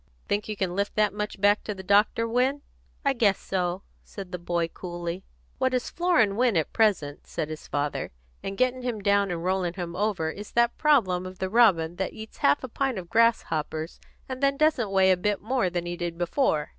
"Think you can lift that much back to the doctor, Win?" "I guess so," said the boy coolly. "What is flooring Win at present," said his father, "and getting him down and rolling him over, is that problem of the robin that eats half a pint of grasshoppers and then doesn't weigh a bit more than he did before."